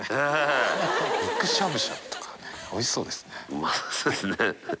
うまそうですね。